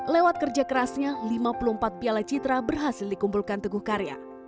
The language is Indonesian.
lewat kerja kerasnya lima puluh empat piala citra berhasil dikumpulkan teguh karya